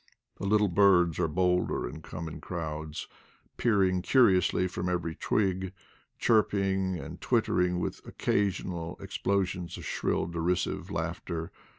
The little birds are bolder and come in crowds, peering curiously from every twig, chirping and twittering with occasional explosions of shrill de risive laughter.